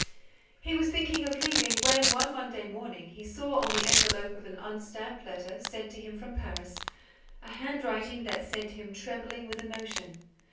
He was thinking of leaving, when, one Monday morning, he saw, on the envelope of an unstamped letter, sent on to him from Paris, a handwriting that set him trembling with emotion.